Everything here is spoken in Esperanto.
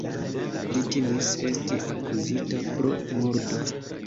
Li timis esti akuzita pro murdo.